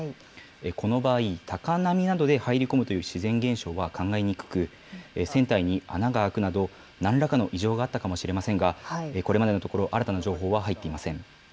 この場合、高波などで入り込むという自然現象は考えにくく、船体に穴が開くなど、なんらかの異常があったかもしれませんが、これまでのところ、新たな情報は入っていません。